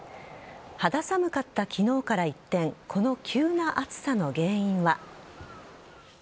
肌寒かった昨日から一転この急な暑さの原因は。